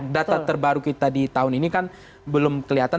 data terbaru kita di tahun ini kan belum kelihatan